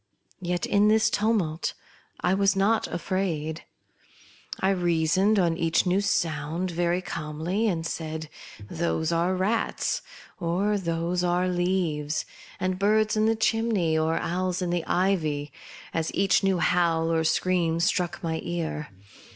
Yet in this tumult I was not afraid, I reasoned on each new sound very calmly — and said, " Those are rats," or "those are leaves," and "birds in the chimney," or " owls in the ivy," as each new howl or scream struck my ear.